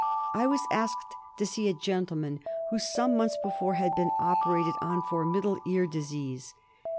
I was asked to see a gentleman who some months before had been operated on for middle ear disease.